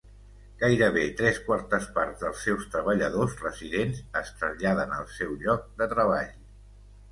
Gairebé tres quartes parts dels seus treballadors residents es traslladen al seu lloc de treball.